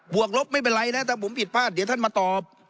วกลบไม่เป็นไรนะถ้าผมผิดพลาดเดี๋ยวท่านมาตอบ